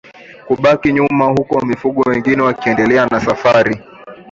Kubaki nyuma huku mifugo wengine wakiendelea na safari